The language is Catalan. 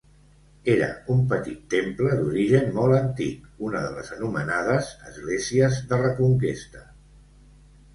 Era un petit temple d'origen molt antic, una de les anomenades esglésies de Reconquesta.